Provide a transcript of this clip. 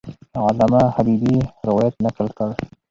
علامه حبیبي روایت نقل کړ.